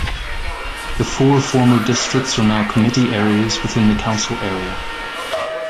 The four former districts are now committee areas within the council area.